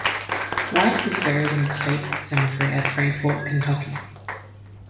White is buried in the State Cemetery at Frankfort, Kentucky.